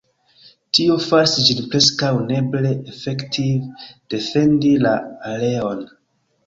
Tio faris ĝin preskaŭ neeble efektive defendi la areon.